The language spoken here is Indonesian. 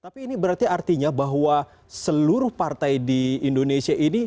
tapi ini berarti artinya bahwa seluruh partai di indonesia ini